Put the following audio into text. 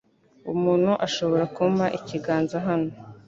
Umuntu ashobora kumpa ikiganza hano?